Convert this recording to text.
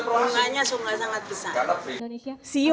keuntungannya sudah sangat besar